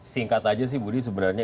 singkat aja sih budi sebenarnya